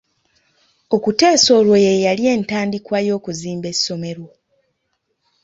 Okuteesa olwo ye yali entandikwa y'okuzimba essomero.